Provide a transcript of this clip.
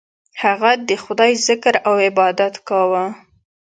هغه د خدای ذکر او عبادت کاوه.